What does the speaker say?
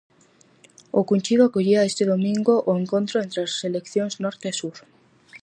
O Cunchido acollía este domingo o encontro entre as seleccións norte e sur.